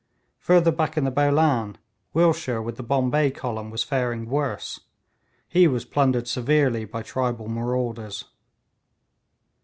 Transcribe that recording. Further back in the Bolan Willshire with the Bombay column was faring worse; he was plundered severely by tribal marauders.